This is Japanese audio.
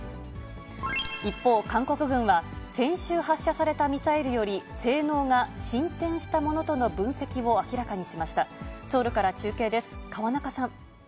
一方、韓国軍は、先週発射されたミサイルより、性能が進展したものとの分析を明らかにしました。